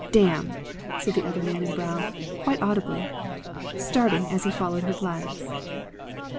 "Damn!" said the other man in brown, quite audibly, starting as he followed her glance.